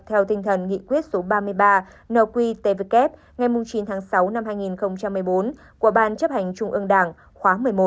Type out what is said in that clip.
theo tinh thần nghị quyết số ba mươi ba nqtvk ngày chín tháng sáu năm hai nghìn một mươi bốn của ban chấp hành trung ương đảng khóa một mươi một